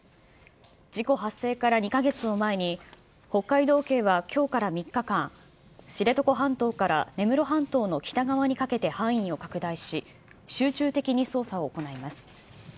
事故発生から２か月を前に、北海道警はきょうから３日間、知床半島から根室半島の北側にかけて範囲を拡大し、集中的に捜査を行います。